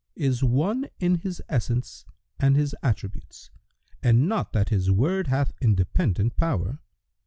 is One in His essence and His attributes and not that His Word hath independent power.